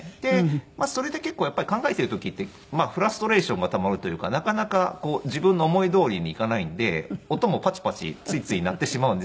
それで結構考えている時ってフラストレーションがたまるというかなかなか自分の思いどおりにいかないんで音もパチパチついつい鳴ってしまうんですけれども。